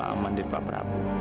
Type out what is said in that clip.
aman dari bapak prabu